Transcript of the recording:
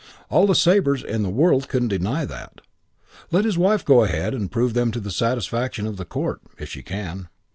All the Sabres in the world couldn't deny that. Let his wife go ahead and prove them to the satisfaction of the Court, if she can.